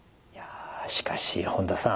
しかし本田さん